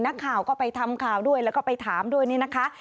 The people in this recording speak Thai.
นักข่าวก็ไปทำข่าวด้วยแล้วก็ไปถามด้วยนี่นะคะ